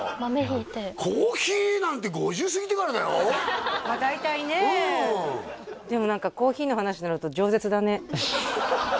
コーヒーなんて５０過ぎてからだよ大体ねうんでも何かコーヒーの話になるとじょう舌だね